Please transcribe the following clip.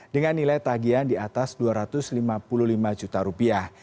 dengan nilai tagihan di atas dua ratus lima puluh lima juta rupiah